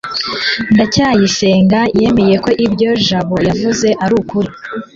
ndacyayisenga yemeye ko ibyo jabo yavuze ari ukuri